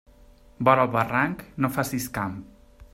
Vora el barranc no facis camp.